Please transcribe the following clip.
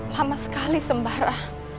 lama sekali sembara